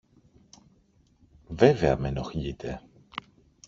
Βέβαια μ' ενοχλείτε!